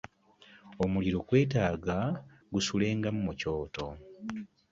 Omuliro gwetaaga gusulengamu mu kyoto.